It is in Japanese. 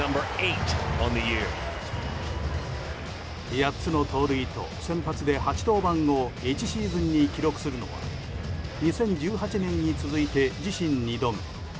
８つの盗塁と先発で８登板を１シーズンに記録するのは２０１８年に続いて自身２度目。